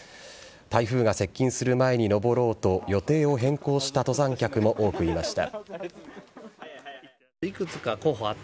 台風が接近する前に登ろうと予定を変更した登山客も多くいました。